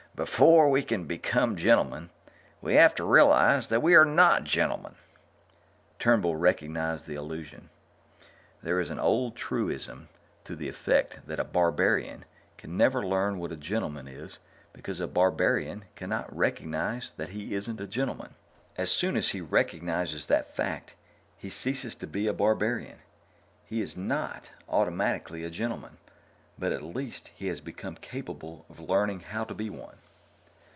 "Before we can become gentlemen, we have to realize that we are not gentlemen." Turnbull recognized the allusion. There is an old truism to the effect that a barbarian can never learn what a gentleman is because a barbarian cannot recognize that he isn't a gentleman. As soon as he recognizes that fact, he ceases to be a barbarian. He is not automatically a gentleman, but at least he has become capable of learning how to be one.